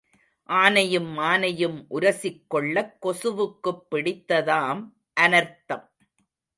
ஆனையும் ஆனையும் உரசிக் கொள்ளக் கொசுவுக்குப் பிடித்ததாம் அனர்த்தம்.